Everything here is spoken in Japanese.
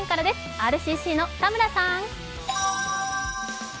ＲＣＣの田村さん。